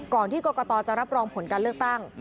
ที่กรกตจะรับรองผลการเลือกตั้ง